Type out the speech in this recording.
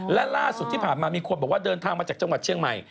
และล่าสุดที่ผ่านมามีคนบอกว่าเดินทางมาจากจังหวัดเชียงใหม่